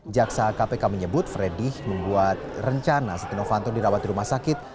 jaksa kpk menyebut freddy membuat rencana setia novanto dirawat di rumah sakit